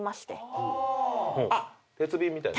あっ鉄瓶みたいな？